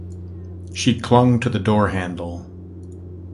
She clung to the door-handle.